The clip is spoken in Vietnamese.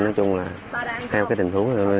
nói chung là theo tình huống